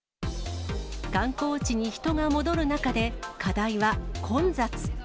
観光地に人が戻る中で、課題は混雑。